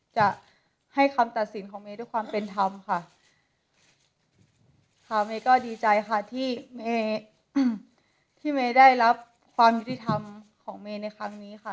จะให้คำตัดสินของเมย์ด้วยความเป็นธรรมค่ะค่ะเมย์ก็ดีใจค่ะที่เมอืมที่เมย์ได้รับความยุติธรรมของเมย์ในครั้งนี้ค่ะ